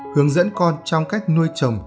hướng dẫn con trong cách nuôi chồng